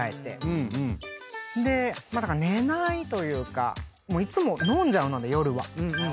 だから寝ないというかいつも飲んじゃうので夜は。